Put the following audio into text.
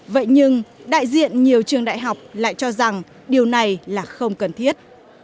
vậy nhưng đại diện nhiều trường đại học lại cho rằng điều này là không cần thiết